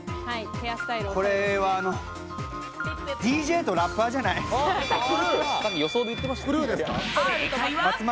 これはＤＪとラッパーじゃな正解は。